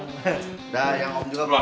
udah yang om juga belum habis